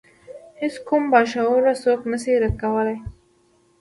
هیڅ کوم باشعوره څوک نشي رد کولای.